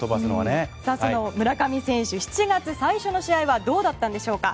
その村上選手７月最初の試合はどうだったんでしょうか。